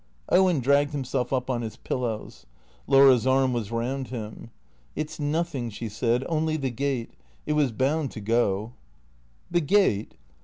Owen dragged himself up on his pillows. Laura's arm was round him. " It 's nothing," she said, " only the gate. It was bound to go." "The gate?"